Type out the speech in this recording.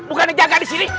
bukannya jaga disini